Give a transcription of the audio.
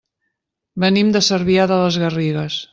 Venim de Cervià de les Garrigues.